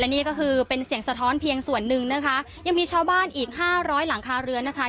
นี่ก็คือเป็นเสียงสะท้อนเพียงส่วนหนึ่งนะคะยังมีชาวบ้านอีกห้าร้อยหลังคาเรือนนะคะ